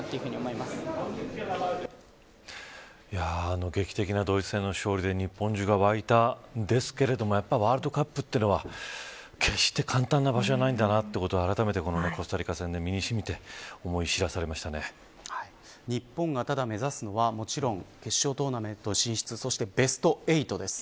あの劇的なドイツ戦の勝利で日本中が沸いたんですけれどもやはりワールドカップというのは決して簡単な場所じゃないんだということをあらためてコスタリカ戦で身にしみて日本が、ただ目指すのはもちろん、決勝トーナメント進出そしてベスト８です。